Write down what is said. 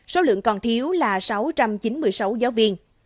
số lượng còn thiếu là sáu trăm chín mươi sáu giáo viên